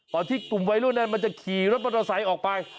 ตอนที่กลุ่มวัยรุ่นนั้นมันจะขี่รถประโยชน์ออกไป